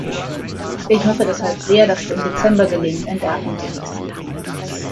Ich hoffe deshalb sehr, dass es im Dezember gelingt, ein Datum zu fixieren.